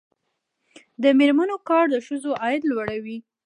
د میرمنو کار د ښځو عاید لوړوي.